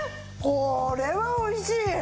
これは美味しい。